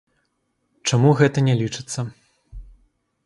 Чаму гэта не лічыцца?